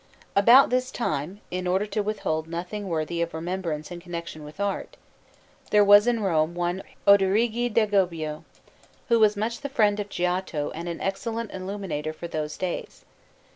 About this time in order to withhold nothing worthy of remembrance in connection with art there was in Rome one Oderigi d'Agobbio, who was much the friend of Giotto and an excellent illuminator for those days.